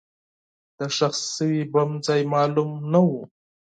د ښخ شوي بم ځای معلوم نه و.